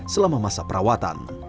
selama masa perawatan